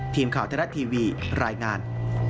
ทีมข่าวไทยรัฐทีวีรายงาน